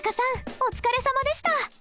お疲れさまでした。